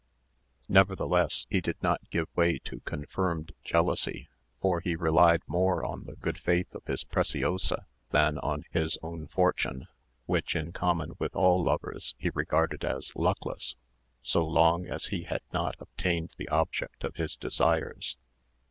Nevertheless, he did not give way to confirmed jealousy; for he relied more on the good faith of his Preciosa than on his own fortune, which, in common with all lovers, he regarded as luckless, so long as he had not obtained the object of his desires.